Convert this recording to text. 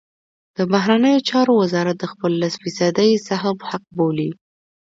د بهرنیو چارو وزارت د خپل لس فیصدۍ سهم حق بولي.